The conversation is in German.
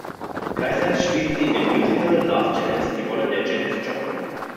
Gleichzeitig spielte sie in dem Musical "Love, Janis" die Rolle der Janis Joplin.